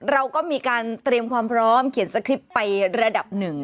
เราก็มีการเตรียมความพร้อมเขียนสคริปต์ไประดับหนึ่ง